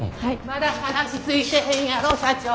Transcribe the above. まだ話ついてへんやろ社長。